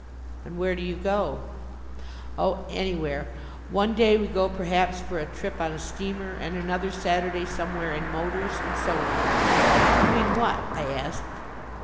"And where do you go?" "Oh, anywhere. One day we go perhaps for a trip on a steamer and another Saturday somewhere in motors, and so on." "Doing what?" I asked.